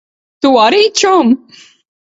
Tu arī, čom.